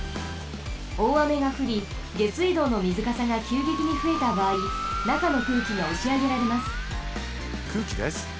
おおあめがふりげすいどうのみずかさがきゅうげきにふえたばあいなかのくうきがおしあげられます。